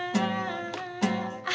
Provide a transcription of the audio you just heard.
aku diri palsu